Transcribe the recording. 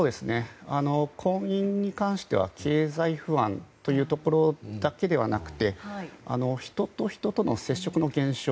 婚姻に関しては経済不安というところだけではなくて人と人との接触の減少